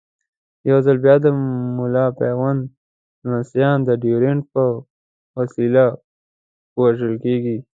یو ځل بیا د ملا پوونده لمسیان د ډیورنډ په وسیله وژل کېږي.